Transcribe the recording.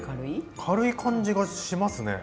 軽い感じがしますね。